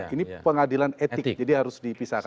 ini pengadilan etik jadi harus dipisahkan